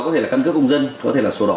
có thể là căn cước công dân có thể là sổ đỏ